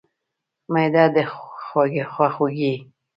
معده د خوږیږي؟